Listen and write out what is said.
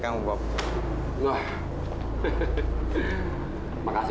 bagus gak rumah ini